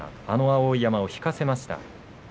あの碧山を引かせました。